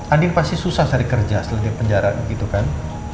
ading pasti susah cari kerja setelah di penjara gitu kan